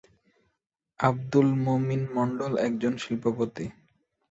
আবদুল মমিন মন্ডল একজন শিল্পপতি।